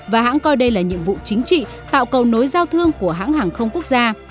và hãng coi đây là nhiệm vụ chính trị tạo cầu nối giao thương của hãng hàng không quốc gia